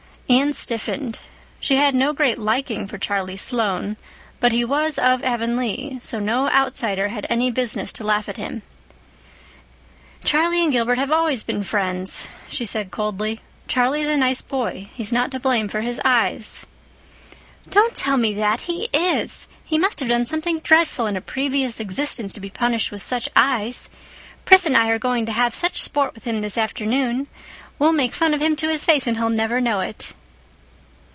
Anne stiffened. She had no great liking for Charlie Sloane; but he was of Avonlea, so no outsider had any business to laugh at him. "Charlie and Gilbert have always been friends," she said coldly. "Charlie is a nice boy. He's not to blame for his eyes." "Don't tell me that! He is! He must have done something dreadful in a previous existence to be punished with such eyes. Pris and I are going to have such sport with him this afternoon. We'll make fun of him to his face and he'll never know it."